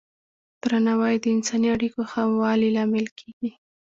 درناوی د انساني اړیکو ښه والي لامل کېږي.